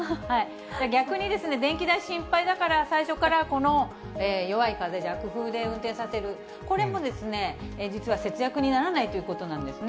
逆に、電気代、心配だから、最初からこの弱い風、弱風で運転させる、これも実は節約にならないということなんですね。